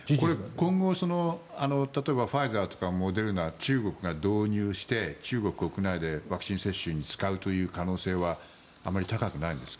今後、例えばファイザーとかモデルナ中国が導入して、中国国内でワクチン接種に使うという可能性はあまり高くないんですか。